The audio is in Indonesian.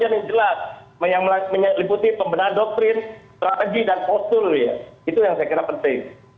yang jelas yang meliputi pembenahan doktrin strategi dan posul ya itu yang saya kira penting